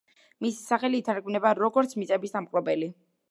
მისი სახელი ითარგმნება, როგორც „მიწების დამპყრობელი“.